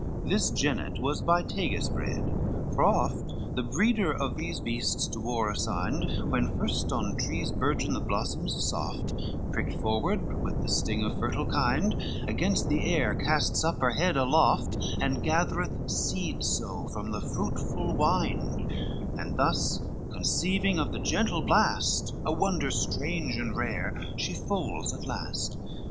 LXXVI This jennet was by Tagus bred; for oft The breeder of these beasts to war assigned, When first on trees burgeon the blossoms soft Pricked forward with the sting of fertile kind, Against the air casts up her head aloft And gathereth seed so from the fruitful wind And thus conceiving of the gentle blast, A wonder strange and rare, she foals at last.